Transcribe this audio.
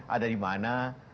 ada di mana